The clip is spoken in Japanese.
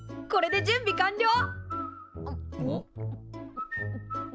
これで準備完了！